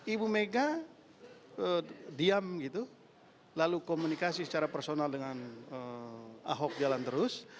ibu mega diam gitu lalu komunikasi secara personal dengan ahok jalan terus